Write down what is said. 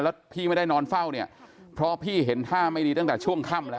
แล้วพี่ไม่ได้นอนเฝ้าเนี่ยเพราะพี่เห็นท่าไม่ดีตั้งแต่ช่วงค่ำแล้ว